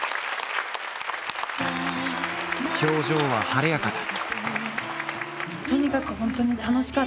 表情は晴れやかだ。